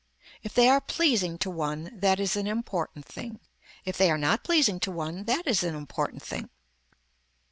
If they are pleasing to one that is an important thing. If they are not pleasing to one that is an important thing.